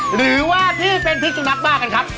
หรือว่าพี่เป็นพิษสุนัขบ้ากันครับ